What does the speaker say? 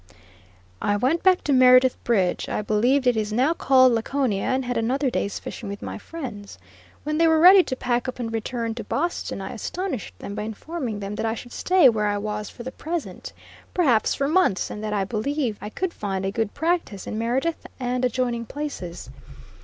I went back to Meredith Bridge I believe it is now called Laconia and had another day's fishing with my friends. When they were ready to pack up and return to Boston, I astonished them by informing them that I should stay where I was for the present, perhaps for months, and that I believed I could find a good practice in Meredith and adjoining places.